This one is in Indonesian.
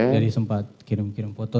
jadi sempat kirim kirim foto